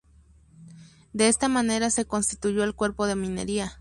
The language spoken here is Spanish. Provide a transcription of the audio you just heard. De esta manera se constituyó el cuerpo de minería.